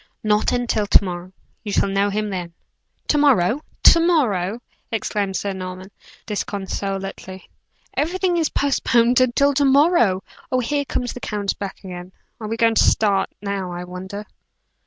"Not until to morrow you shall know him then." "To morrow! to morrow!" exclaimed Sir Norman, disconsolately. "Everything is postponed until to morrow! Oh, here comes the count back again. Are we going to start now, I wonder?"